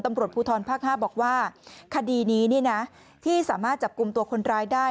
ตำรวจภูทรภาค๕บอกว่าคดีนี้ที่สามารถจับกลุ่มตัวคนร้ายได้